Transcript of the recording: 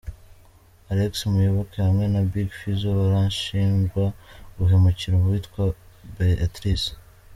Alex Muyoboke hamwe na Big Fizzo barashinjwa guhemukira uwitwa Beatrice.